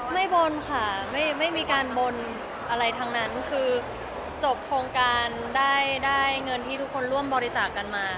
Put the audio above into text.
บนค่ะไม่มีการบนอะไรทั้งนั้นคือจบโครงการได้เงินที่ทุกคนร่วมบริจาคกันมา